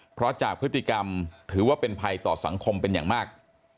เพราะจากพฤติกรรมถือว่าเป็นภัยต่อสังคมเป็นอย่างมาก